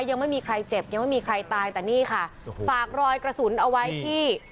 ยังไม่มีใครเจ็บยังไม่มีใครตายแต่นี่ค่ะฝากรอยกระสุนเอาไว้ที่